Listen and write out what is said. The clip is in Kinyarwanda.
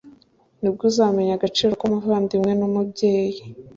nibwo uzamenya agaciro kumuvandimwe numubyeyi